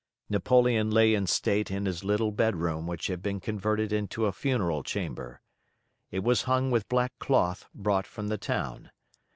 Napoleon lay in state in his little bedroom which had been converted into a funeral chamber. It was hung with black cloth brought from the town.